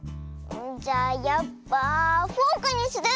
じゃあやっぱフォークにする！